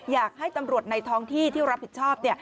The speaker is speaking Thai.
อยากให้ตำรวจในท้องที่ที่รับผิดชอบ